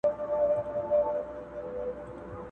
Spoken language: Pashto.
چي خپل خوب ته مي تعبیر جوړ کړ ته نه وې!.